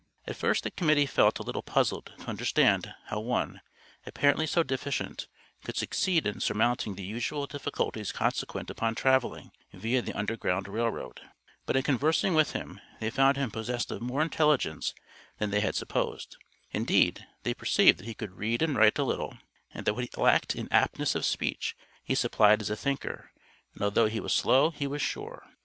At first the Committee felt a little puzzled to understand, how one, apparently so deficient, could succeed in surmounting the usual difficulties consequent upon traveling, via the Underground Rail Road; but in conversing with him, they found him possessed of more intelligence than they had supposed; indeed, they perceived that he could read and write a little, and that what he lacked in aptness of speech, he supplied as a thinker, and although he was slow he was sure.